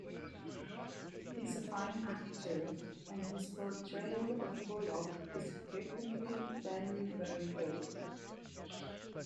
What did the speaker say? He's a fine actor, and his portrayal of Bullock is frequently very, very good.